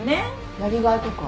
やりがいとか？